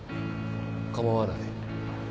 構わない。